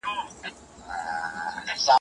انسان باید د شیانو تل ته ورسېږي.